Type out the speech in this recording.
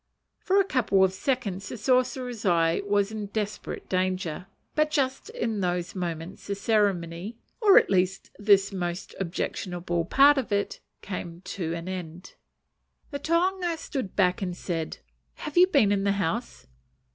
For a couple of seconds the sorcerer's eye was in desperate danger; but just in those moments the ceremony, or at least this most objectionable part of it, came to an end. The tohunga stood back and said, "Have you been in the house?"